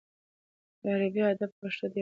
عربي ادب په پښتو ډېر سیوری کړی دی.